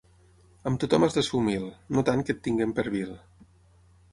Amb tothom has de ser humil, no tant que et tinguin per vil.